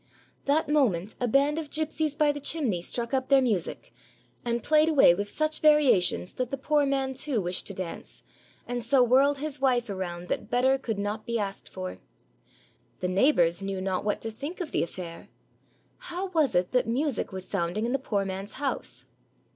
" That moment a band of gypsies by the chimney struck up their music, and played away with such variations that the poor man, too, wished to dance, and so whirled his wife around that better could not be 394 THE KING OF THE CROWS asked for. The neighbors knew not what to think of the affair. How was it that music was sounding in the poor man's house?